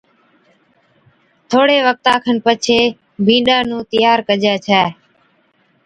ٿوڙهي وقتا کن پڇي بِينڏا نُون تيار ڪَجي ڇَي